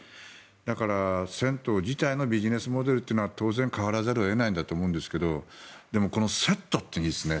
だから、銭湯自体のビジネスモデルというのは当然ね変わらざるを得ないと思うんですがでもこのセットっていいですね。